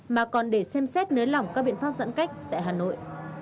mà còn để xem xét nới lỏng các biện pháp giãn cách tại hà nội